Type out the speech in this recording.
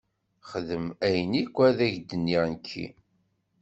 Xdem ayen i ak-d-nniɣ nekki.